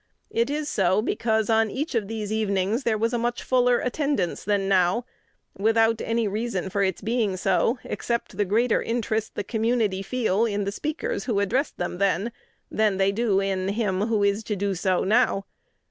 It is so, because on each of these evenings there was a much fuller attendance than now, without any reason for its being so, except the greater interest the community feel in the speakers who addressed them then, than they do in him who is to do so now.